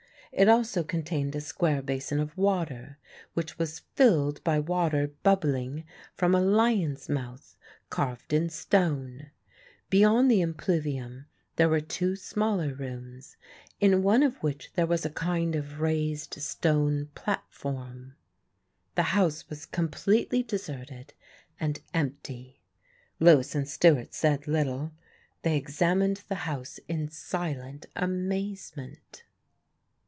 It also contained a square basin of water, which was filled by water bubbling from a lion's mouth carved in stone. Beyond the impluvium there were two smaller rooms, in one of which there was a kind of raised stone platform. The house was completely deserted and empty. Lewis and Stewart said little; they examined the house in silent amazement.